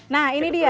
nah ini dia